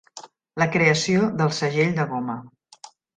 La creació del segell de goma.